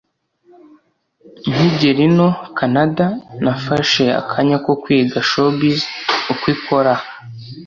nkigera ino(Canada)nafashe akanya ko kwiga showbizz uko ikora aha